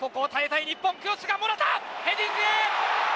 ヘディング！